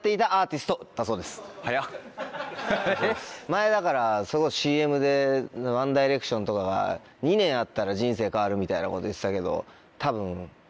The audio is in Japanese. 前それこそＣＭでワン・ダイレクションとかが「２年あったら人生変わる」みたいなこと言ってたけど多分。